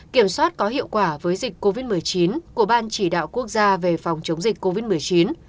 kiểm soát có hiệu quả với dịch covid một mươi chín của ban chỉ đạo quốc gia về phòng chống dịch covid một mươi chín